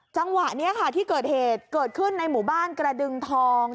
จังหวะนี้ค่ะที่เกิดเหตุเกิดขึ้นในหมู่บ้านกระดึงทอง